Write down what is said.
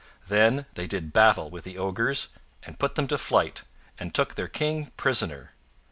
Then they did battle with the ogres and put them to flight, and took their King prisoner.